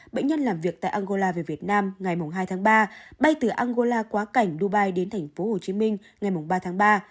bệnh nhân làm việc tại angola về việt nam ngày hai tháng ba bay từ angola quá cảnh dubai đến tp hcm ngày ba tháng ba